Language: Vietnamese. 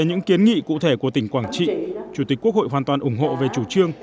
những kiến nghị cụ thể của tỉnh quảng trị chủ tịch quốc hội hoàn toàn ủng hộ về chủ trương